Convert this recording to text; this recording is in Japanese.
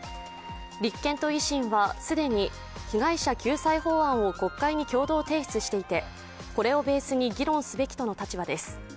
立憲と維新は既に被害者救済法案を国会に共同提出していてこれをベースに議論すべきとの立場です。